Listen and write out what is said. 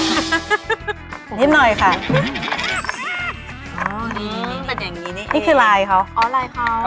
ค่ะอ๋อนี่นี่เป็นอย่างงี้นี่เองนี่คือลายเขาอ๋อลายเขา